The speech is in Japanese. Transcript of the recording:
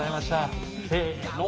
せの。